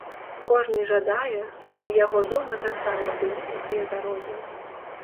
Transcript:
Кожны жадае, каб у яго дома таксама былі такія дарогі.